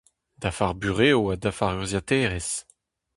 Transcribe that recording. Dafar burev ha dafar urzhiataerezh.